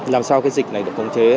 làm sao cái dịch này được công chế